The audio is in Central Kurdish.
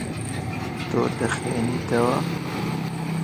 تۆ دەخوێنیتەوە.